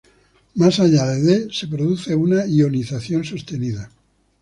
Más allá de D, se produce una ionización sostenida.